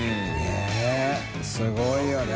佑すごいよね。